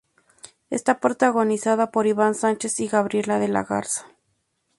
Está protagonizada por Iván Sánchez y Gabriela de la Garza.